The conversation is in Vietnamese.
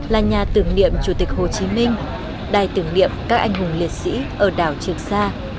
là nhà tưởng niệm chủ tịch hồ chí minh đài tưởng niệm các anh hùng liệt sĩ ở đảo trường sa